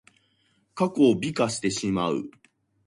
過去を美化してしまう。